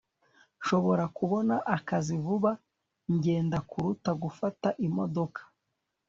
nshobora kubona akazi vuba ngenda kuruta gufata imodoka